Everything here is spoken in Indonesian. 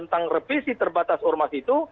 tentang revisi terbatas ormas itu